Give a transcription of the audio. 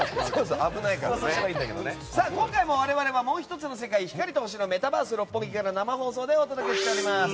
今回も我々は、もう１つの世界光と星のメタバース六本木から生放送でお届けしております。